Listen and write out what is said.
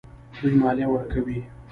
دوی مالیه ورکوي.